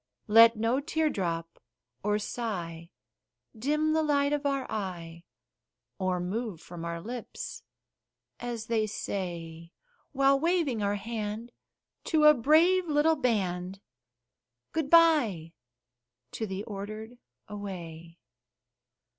Let no tear drop or sigh dim the light of our eye, Or move from our lips, as they say While waving our hand to a brave little band Good by to the Ordered away.